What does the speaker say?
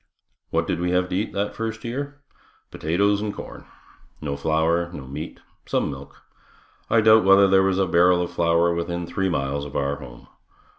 What did we have to eat that first year? Potatoes and corn. No flour, no meat, some milk. I doubt whether there was a barrel of flour within three miles of our home.